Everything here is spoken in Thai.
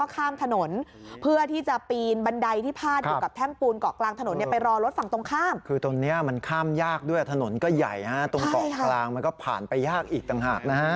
คือตรงเนี่ยมันข้ามยากด้วยถนนก็ใหญ่ฮะตรงเกาะพลางมันก็ผ่านไปยากอีกต่างหากนะฮะ